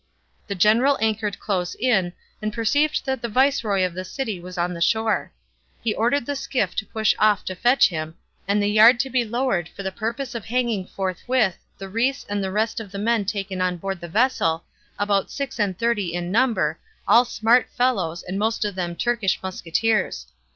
The general anchored close in, and perceived that the viceroy of the city was on the shore. He ordered the skiff to push off to fetch him, and the yard to be lowered for the purpose of hanging forthwith the rais and the rest of the men taken on board the vessel, about six and thirty in number, all smart fellows and most of them Turkish musketeers.